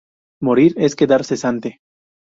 Morir es quedar cesante".